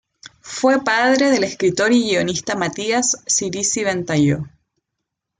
Fue padre del escritor y guionista Matías Cirici-Ventalló.